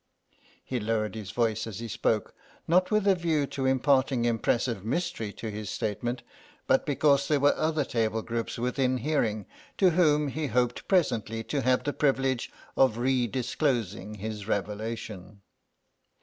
He lowered his voice as he spoke, not with a view to imparting impressive mystery to his statement, but because there were other table groups within hearing to whom he hoped presently to have the privilege of re disclosing his revelation.